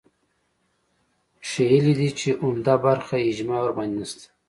ښييلي دي چې عمده برخه اجماع ورباندې نشته